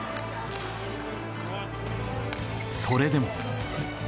それでも。